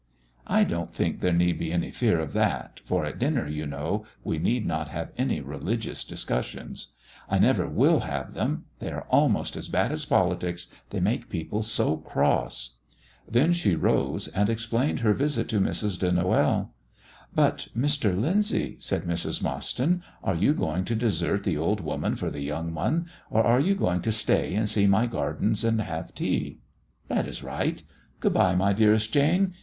"I don't think there need be any fear of that, for at dinner, you know, we need not have any religious discussions; I never will have them; they are almost as bad as politics, they make people so cross." Then she rose and explained her visit to Mrs. de Noël. "But, Mr. Lyndsay," said Mrs. Mostyn, "are you going to desert the old woman for the young one, or are you going to stay and see my gardens and have tea? That is right. Good bye, my dearest Jane.